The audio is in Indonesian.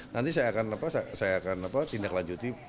nanti saya akan tindak lanjuti